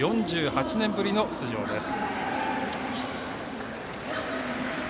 ４８年ぶりの出場です。